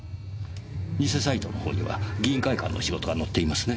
偽サイトのほうには議員会館の仕事が載っていますね。